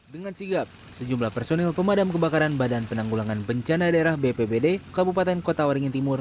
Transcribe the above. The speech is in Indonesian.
dengan sigap sejumlah personil pemadam kebakaran badan penanggulangan bencana daerah bpbd kabupaten kota waringin timur